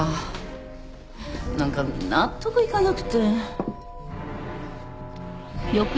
何か納得いかなくて。